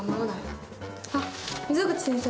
あっ溝口先生。